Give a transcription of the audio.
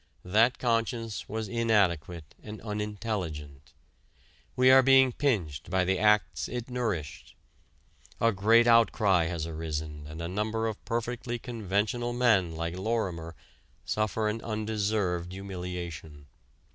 That conscience was inadequate and unintelligent. We are being pinched by the acts it nourished. A great outcry has arisen and a number of perfectly conventional men like Lorimer suffer an undeserved humiliation.